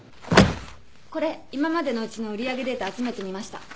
これ今までのうちの売り上げデータ集めてみました。